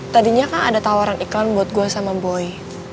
tadinya kan ada tawaran iklan buat gue sama boy